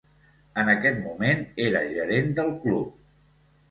En aquest moment, era gerent del club.